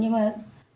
nhưng mà yên tâm đi là